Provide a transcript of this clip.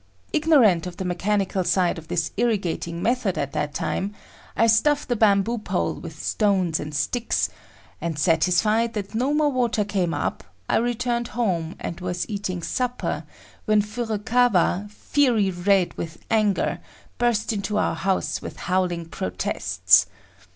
Ignorant of the mechanical side of this irrigating method at that time, I stuffed the bamboo pole with stones and sticks, and satisfied that no more water came up, I returned home and was eating supper when Furukawa, fiery red with anger, burst into our house with howling protests.